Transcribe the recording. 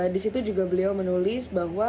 di situ juga beliau menulis bahwa